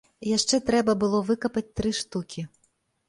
Яшчэ трэба было выкапаць тры штукі.